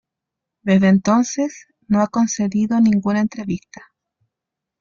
Desde entonces, no ha concedido ninguna entrevista.